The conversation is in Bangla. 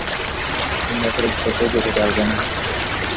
তোমরা সঠিক পথে যেতে পারবে না।